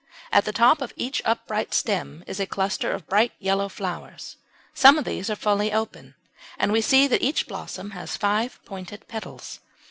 At the top of each upright stem is a cluster of bright yellow flowers. Some of these are fully open, and we see that each blossom has five pointed petals.